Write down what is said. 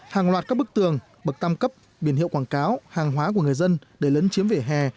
hàng loạt các bức tường bậc tam cấp biển hiệu quảng cáo hàng hóa của người dân để lấn chiếm vỉa hè